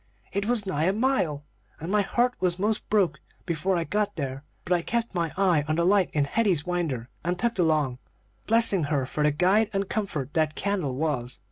It was nigh a mile, and my heart was 'most broke before I got there; but I kept my eye on the light in Hetty's winder and tugged along, blessing her for the guide and comfort that candle was.